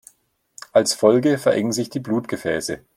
Als Folge verengen sich die Blutgefäße.